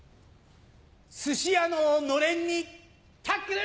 寿司屋ののれんにタックル！